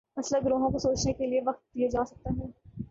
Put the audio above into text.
مسلح گروہوں کو سوچنے کے لیے وقت دیا جا سکتا ہے۔